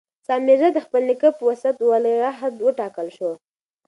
سام میرزا د خپل نیکه په وصیت ولیعهد وټاکل شو.